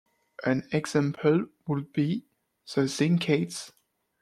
An example would be the zincates.